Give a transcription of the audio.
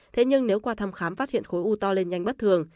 thế nhưng nếu qua thăm khám phát hiện khối u to lên nhanh bất thường